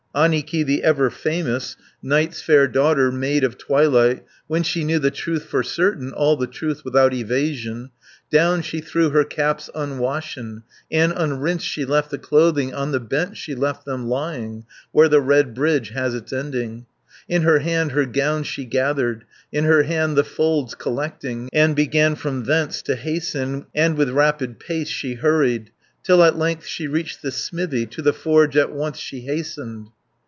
200 Annikki, the ever famous, Night's fair daughter, maid of twilight, When she knew the truth for certain, All the truth, without evasion, Down she threw her caps unwashen, And unrinsed she left the clothing, On the bench she left them lying, Where the red bridge has its ending, In her hand her gown she gathered, In her hand the folds collecting, 210 And began from thence to hasten, And with rapid pace she hurried, Till at length she reached the smithy. To the forge at once she hastened.